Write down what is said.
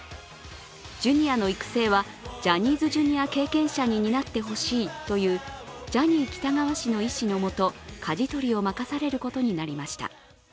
Ｊｒ．の育成はジャニーズＪｒ．経験者に担ってほしいというジャニー喜多川氏の遺志のもとかじ取りを任されることになりました。